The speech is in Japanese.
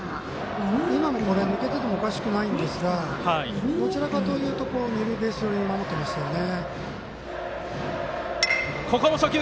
今も抜けててもおかしくないんですがどちらかというと二塁ベース寄りに守っていましたよね。